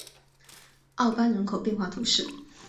奥班人口变化图示